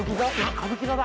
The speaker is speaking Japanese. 歌舞伎座だ。